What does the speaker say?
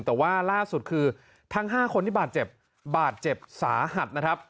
แต่ว่าล่าสุดคือทั้ง๕คนที่บาดเจ็บบาดเจ็บสาหัสนะครับ